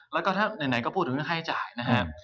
แล้วก็ถ้าไหนก็พูดถึงเรื่องค่าใช้จ่ายนะครับ